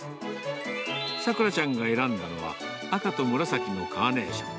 さくらちゃんが選んだのは、赤と紫のカーネーション。